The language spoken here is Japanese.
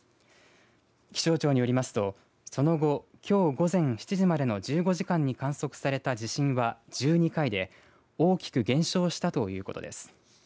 気象庁によりますと、その後きょう午前７時までの１５時間に観測された地震は１２回で大きく減少したということです。